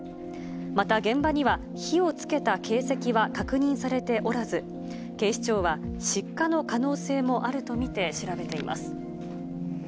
また現場には、火をつけた形跡は確認されておらず、警視庁は失火の可能性もあると見て調べています。